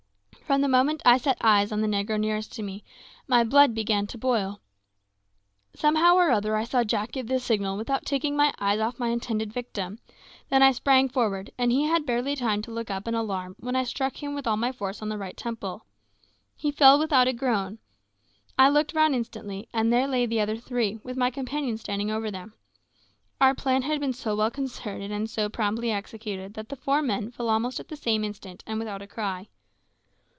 From the moment I set eyes on the negro nearest to me, my blood began to boil. Somehow or other I saw Jack give the signal without taking my eyes off my intended victim, then I sprang forward, and he had barely time to look up in alarm when I struck him with all my force on the right temple. He fell without a groan. I looked round instantly, and there lay the other three, with my companions standing over them. Our plan had been so well concerted and so promptly executed that the four men fell almost at the same instant, and without a cry.